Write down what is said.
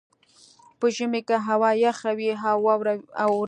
په ژمي کې هوا یخه وي او واوره اوري